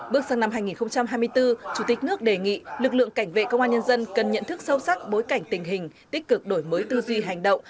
bước sang năm hai nghìn hai mươi bốn chủ tịch nước đề nghị lực lượng cảnh vệ công an nhân dân cần nhận thức sâu sắc bối cảnh tình hình tích cực đổi mới tư duy hành động